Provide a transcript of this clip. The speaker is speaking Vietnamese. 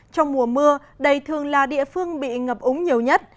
trong mùa mưa đây thường là địa phương bị ngập úng nhiều nhất